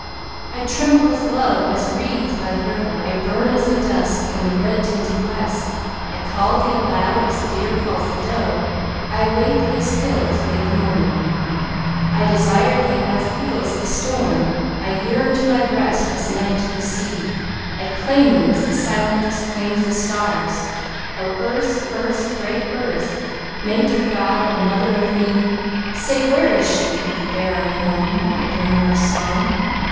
I tremble with love as reeds by the river, I burn as the dusk in the red tented west, I call thee aloud as the deer calls the doe, I await thee as hills wait the morning, I desire thee as eagles the storm; I yearn to thy breast as night to the sea, I claim thee as the silence claims the stars. O Earth, Earth, great Earth, Mate of God and mother of me, Say, where is she, the Bearer of Morning, My Bringer of Song?